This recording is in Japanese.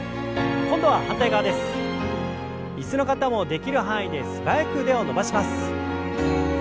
椅子の方もできる範囲で素早く腕を伸ばします。